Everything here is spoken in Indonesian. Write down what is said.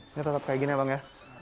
ini tetap seperti ini ya bang ya